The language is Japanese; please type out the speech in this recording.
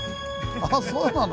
ああそうなの。